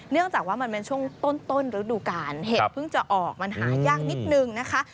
จากว่ามันเป็นช่วงต้นฤดูกาลเห็ดเพิ่งจะออกมันหายากนิดนึงนะคะ